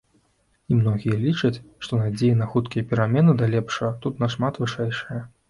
І многія лічаць, што надзеі на хуткія перамены да лепшага тут нашмат вышэйшыя.